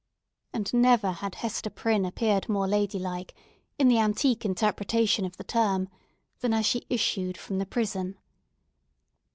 And never had Hester Prynne appeared more ladylike, in the antique interpretation of the term, than as she issued from the prison.